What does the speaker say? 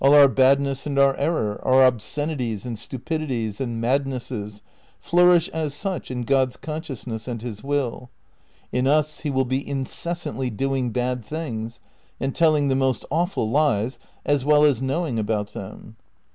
All our bad ness and our error, our obscenities and stupidities and madnesses, flourish as such in God's consciousness and his will. In us he will be incessantly doing bad things, and telling the most awful lies as well as knowing about them.